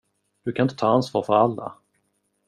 Du kan inte ta ansvar för alla.